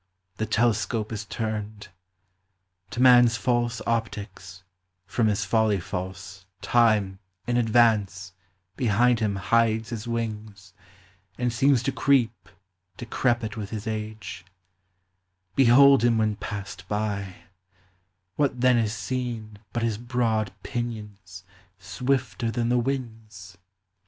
The telescope is turned. To man's false optics (from his folly false) Time, in advance, behind him hides his wings, And seems to creep, decrepit with his age ; Behold him when past by : what then is seen But his broad pinions, swifter than the winds